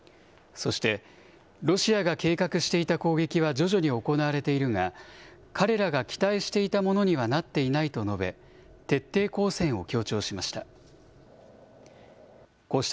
そしてロシアが計画していた徐々に行われているが、彼らが期待していたものにはなっていないと述べ、徹底抗戦を強調しました。